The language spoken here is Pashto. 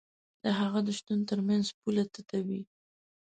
د هغه د شتون تر منځ پوله تته وي.